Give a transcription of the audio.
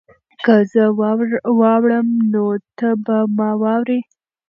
که زه واوړم نو ته به ما واورې؟